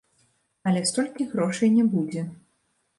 Але столькі грошай не будзе.